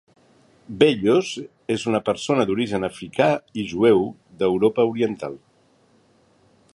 Bellos es una persona d'origen africà i jueu d'Europa oriental.